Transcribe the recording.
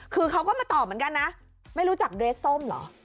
คือเขาก็มาตอบเหมือนกันนะไม่รู้จักเดรสส้มเหรอ